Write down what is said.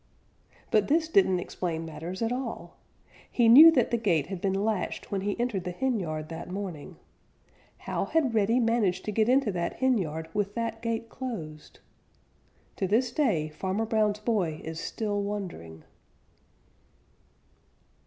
But this didn't explain matters at all. He knew that the gate had been latched when he entered the henyard that morning. How had Reddy managed to get into that henyard with that gate closed? To this day, Farmer Brown's boy is still wondering.